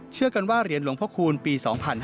เชื่อกันว่าเหรียญหลวงพระคูณปี๒๕๕๙